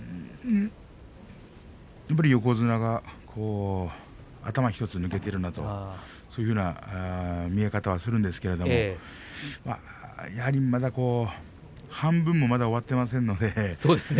やっぱり横綱が頭１つ抜けているなとそういうような見え方はするんですけれどまだ半分も終わっていませんのでね